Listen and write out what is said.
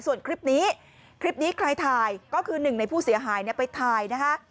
ส่วนคลิปนี้คลิปนี้ใครถ่ายก็คือหนึ่งในผู้เสียหายไปถ่ายนะคะ